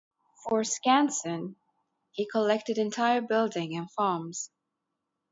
For Skansen he collected entire buildings and farms.